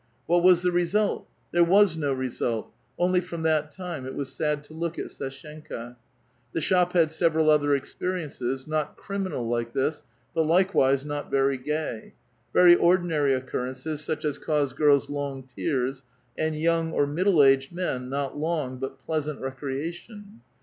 What was the result? There was no result ; only, from that time, it was sad to look at Sdshenka. l^e shop had several other experiences; not criminal like this, but likewise not very gay. Very ordinary occurrences, such as cause girls long tears, and 3'oung or middle aged ^^n not long but pleasant recreation.